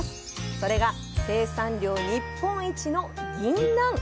それが生産量日本一のギンナン。